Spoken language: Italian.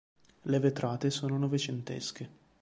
Le vetrate sono novecentesche.